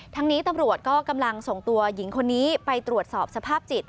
นี้ตำรวจก็กำลังส่งตัวหญิงคนนี้ไปตรวจสอบสภาพจิต